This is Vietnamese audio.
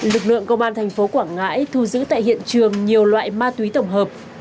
lực lượng công an thành phố quảng ngãi thu giữ tại hiện trường nhiều loại ma túy tổng hợp